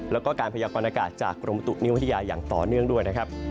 แล้วก็การพยากรณากาศจากกรมประตุนิววิทยาอย่างต่อเนื่องด้วยนะครับ